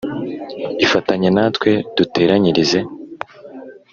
Ifatanye natwe duteranyirize